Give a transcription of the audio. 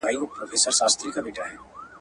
کروندګر هم د ښار څخه دباندې ژوند کوي.